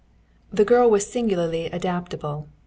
XI The girl was singularly adaptable.